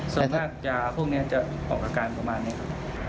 ส่วนมากยาพวกนี้จะออกอาการประมาณนี้ครับ